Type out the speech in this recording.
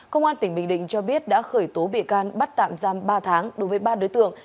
công an tỉnh bình định cho biết đã khởi tố bị can bắt tạm giam ba tháng đối với ba đối tượng